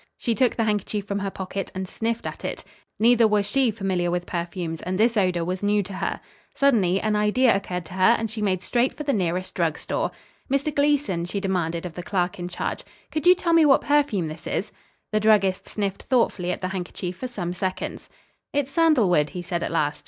She took the handkerchief from her pocket and sniffed at it. Neither was she familiar with perfumes, and this odor was new to her. Suddenly an idea occurred to her and she made straight for the nearest drugstore. "Mr. Gleason," she demanded of the clerk in charge, "could you tell me what perfume this is?" The druggist sniffed thoughtfully at the handkerchief for some seconds. "It's sandalwood," he said at last.